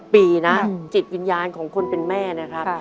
ปีนะจิตวิญญาณของคนเป็นแม่นะครับ